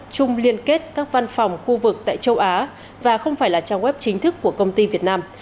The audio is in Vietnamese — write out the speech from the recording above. chung liên kết các văn phòng khu vực tại châu á và không phải là trang web chính thức của công ty việt nam